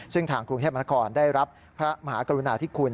ซึ่งทางกรุงเทพมนครได้รับพระมหากรุณาธิคุณ